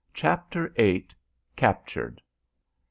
CHAPTER VIII. CAPTURED.